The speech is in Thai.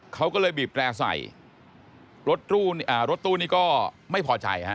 เขาก็เลยบีบแปรใส่รถตู้นี่อ่ารถตู้นี่ก็ไม่พอใจฮะ